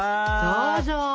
どうぞ。